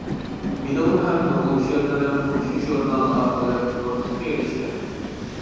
مېنىڭمۇ ھەم نۇرغۇن شېئىرلىرىم مۇشۇ ژۇرنال ئارقىلىق يورۇقلۇققا ئېرىشكەن.